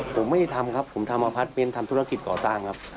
ผมไม่ได้ทำครับผมทำอพาร์ทเมนต์ทำธุรกิจก่อสร้างครับ